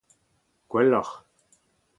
gwelloc'h